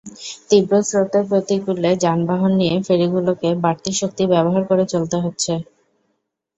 তীব্র স্রোতের প্রতিকূলে যানবাহন নিয়ে ফেরিগুলোকে বাড়তি শক্তি ব্যবহার করে চলতে হচ্ছে।